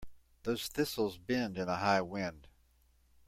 Those thistles bend in a high wind.